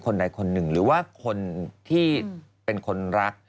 ใดคนหนึ่งหรือว่าคนที่เป็นคนรัก